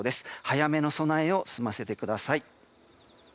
早めの備えを済ませてください。